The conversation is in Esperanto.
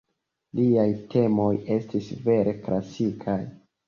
Liaj temoj estis vere klasikaj.